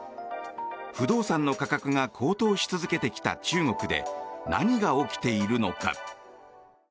不動産の価格が高騰し続けてきた中国で何が起きているのか。